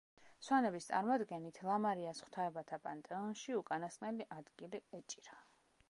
სვანების წარმოდგენით, ლამარიას ღვთაებათა პანთეონში უკანასკნელი ადგილი ეჭირა.